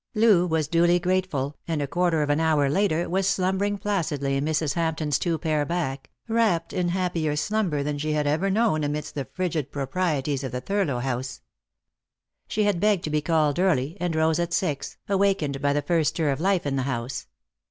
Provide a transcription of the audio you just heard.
Loo was duly grateful, and a quarter of an hour later was slumbering placidly in Mrs. Hampton's two pair back, wrapped in happier slumber than she had ever known amidst the frigid proprieties of Thurlow House. She had begged to be called early, and rose at six, awakened by the first stir of life in the house.